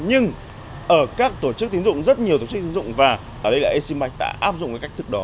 nhưng ở các tổ chức tiến dụng rất nhiều tổ chức tiến dụng và ở đây là asean bank đã áp dụng cách thức đó